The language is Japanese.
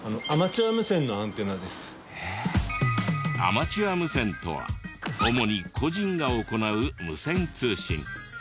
アマチュア無線とは主に個人が行う無線通信。